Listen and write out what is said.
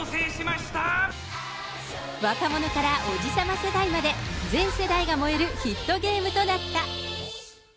若者からおじさま世代まで、全世代が燃えるヒットゲームとなった。